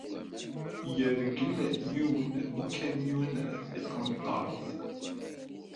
Yergel yiwen ukamyun tiqenṭert.